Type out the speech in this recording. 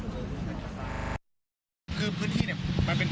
พี่สุพธกก็บอกว่าผมอยู่พื้นที่นี้มานานกว่าสิบห้าปีแล้ว